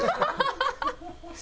ハハハハ！